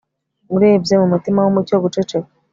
Urebye mu mutima wumucyo guceceka